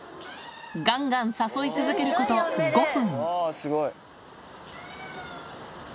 がんがん誘い続けること５分。